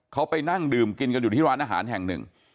เขาไปนั่งดื่มกินกันอยู่ที่ร้านอาหารแห่งหนึ่ง